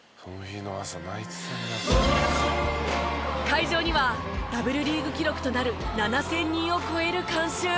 会場にはＷリーグ記録となる７０００人を超える観衆。